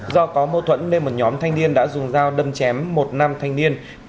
do có mâu thuẫn nên một nhóm thanh niên đã dùng dao đâm chém một nam thanh niên